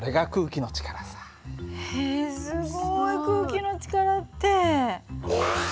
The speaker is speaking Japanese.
へえすごい空気の力って。